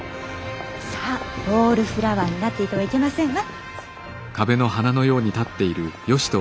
さぁウォールフラワーになっていてはいけませんわ。